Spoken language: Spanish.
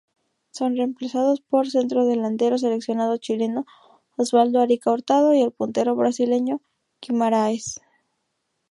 Son reemplazados por centrodelantero seleccionado chileno Oswaldo "Arica" Hurtado y el puntero brasileño Guimaraes.